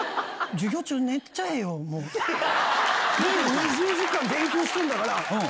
２０時間勉強してんだから。